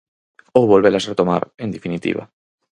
Ou volvelas retomar, en definitiva.